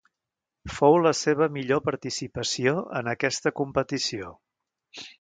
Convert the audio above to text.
Fou la seva millor participació en aquesta competició.